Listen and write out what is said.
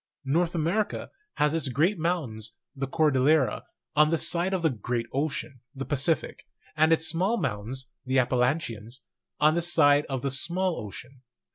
North America has its great mountains, the Cordillera, on the side of the great ocean, the Pacific; and its small mountains, the Appalachians, on the side of the small ocean.